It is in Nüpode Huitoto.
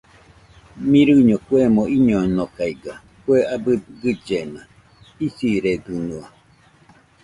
Mɨrɨño kuemo iñonokaiga kue abɨ gɨllena isiredɨnua.